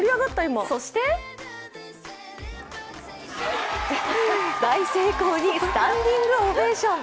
そして大成功にスタンディングオベーション。